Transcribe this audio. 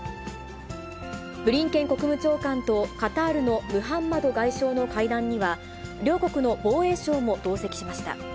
ブリンケン国務長官と、カタールのムハンマド外相の会談には、両国の防衛相も同席しました。